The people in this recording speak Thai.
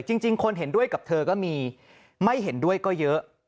จริงคนเห็นด้วยกับเธอก็มีไม่เห็นด้วยก็เยอะ